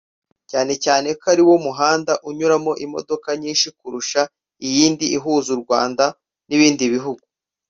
cyane cyane ko ariwo muhanda unyuramo imodoka nyinshi kurusha iyindi ihuza u Rwanda n’ibindi bihugu